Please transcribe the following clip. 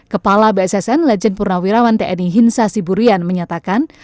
kepala bssn legend purnawirawan tni hinsa siburian menyatakan